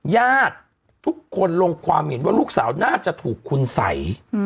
ญาติทุกคนลงความเห็นว่าลูกสาวน่าจะถูกคุณสัย